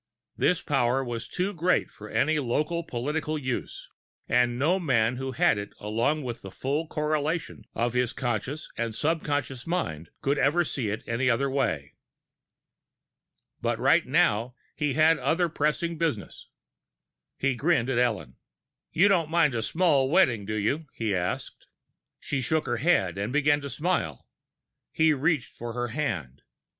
This power was too great for any local political use, and no man who had it along with the full correlation of his conscious and subconscious mind could ever see it any other way. But right now, he had other pressing business. He grinned at Ellen. "You don't mind a small wedding, do you?" he asked. She shook her head, beginning to smile. He reached for her hand.